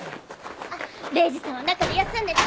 あっ礼二さんは中で休んでて。